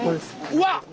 うわっ！